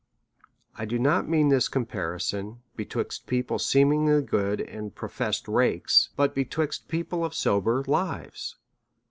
I do not mean this comparison betwixt people seem ingly good and professed rakes, but betwixt people of sober lives.